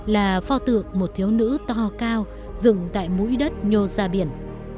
là pho tượng một thiếu nữ to cao dựng tại mũi đất nhô ra biển